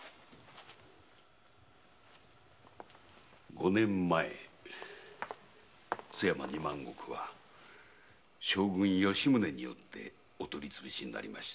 五年前津山二万石は将軍・吉宗によってお取り潰しになりました。